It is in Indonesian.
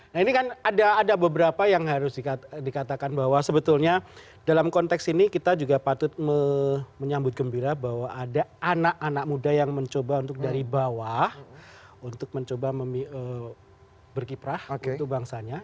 nah ini kan ada beberapa yang harus dikatakan bahwa sebetulnya dalam konteks ini kita juga patut menyambut gembira bahwa ada anak anak muda yang mencoba untuk dari bawah untuk mencoba berkiprah untuk bangsanya